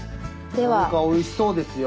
なんかおいしそうですよ。